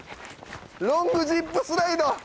ロングジップスライド！